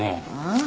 ああ。